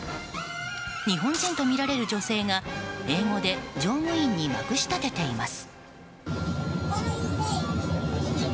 日本人とみられる女性が英語で乗務員にまくしたてています。